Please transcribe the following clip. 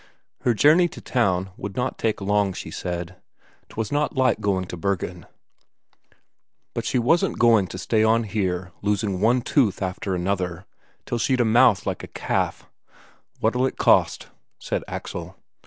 Her journey to town would not take long, she said; 'twas not like going to Bergen; but she wasn't going to stay on here losing one tooth after another, till she'd a mouth like a calf. "What'll it cost?" said Axel.